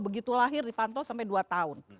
begitu lahir dipantau sampai dua tahun